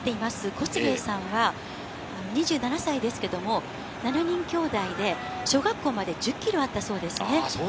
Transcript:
コスゲイさんは、２７歳ですけども、７人きょうだいで、小学校まで１０キロあったそうですね。